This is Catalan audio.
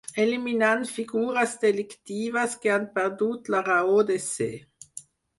Eliminant figures delictives que han perdut la raó de ser.